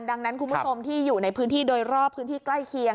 ดังนั้นคุณผู้ชมที่อยู่ในพื้นที่โดยรอบพื้นที่ใกล้เคียง